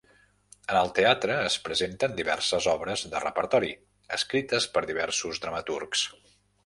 En el teatre es presenten diverses obres de repertori, escrites per diversos dramaturgs.